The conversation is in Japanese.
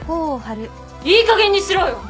いいかげんにしろよ！